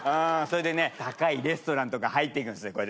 それでね高いレストランとか入っていくんですね